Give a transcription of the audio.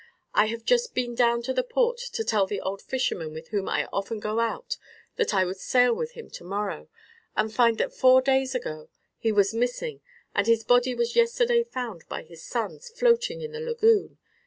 I have just been down to the port to tell the old fisherman with whom I often go out that I would sail with him tomorrow, and find that four days ago he was missing, and his body was yesterday found by his sons floating in the lagoon.